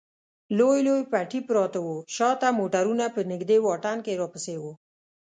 لوی لوی پټي پراته و، شا ته موټرونه په نږدې واټن کې راپسې و.